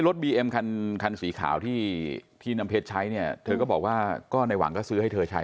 รถบีเอ็มคันสีขาวที่พี่นำเพชรใช้เธอก็บอกว่าในหวังซื้อให้เธอใช้นะ